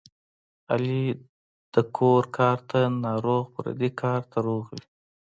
علي د کور کار ته ناروغ پردي کار ته روغ وي.